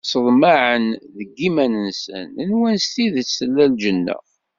Seḍmaɛen deg iman-nsen, nwan s tidet tella lǧenna.